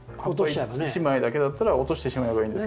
一枚だけだったら落としてしまえばいいんですけど。